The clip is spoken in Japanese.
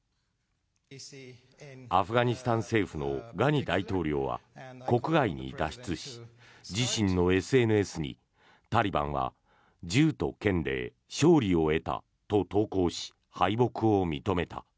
アフガニスタン政府のガニ大統領は国外に脱出し自身のＳＮＳにタリバンは銃と剣で勝利を得たと投稿し敗北を認めた。